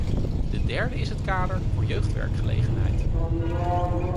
De derde is het kader voor jeugdwerkgelegenheid.